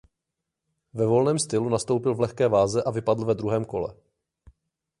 Ve volném stylu nastoupil v lehké váze a vypadl ve druhém kole.